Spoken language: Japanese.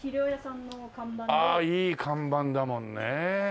ああいい看板だもんねえ。